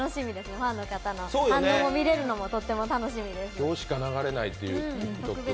ファンの方の反応見れるのもとっても楽しみです。